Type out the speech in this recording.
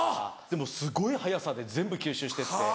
でもすごい早さで全部吸収してって。